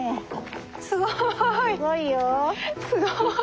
すごい。